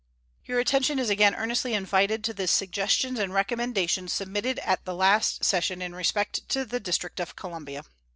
Your attention is again earnestly invited to the suggestions and recommendations submitted at the last session in respect to the District of Columbia.